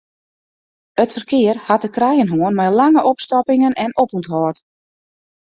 It ferkear hat te krijen hân mei lange opstoppingen en opûnthâld.